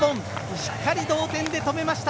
しっかり同点で止めました。